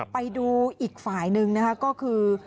ไปดูอีกฝ่ายหนึ่งนะคะก็คือ